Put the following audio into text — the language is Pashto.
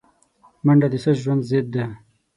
منډه د سست ژوند ضد ده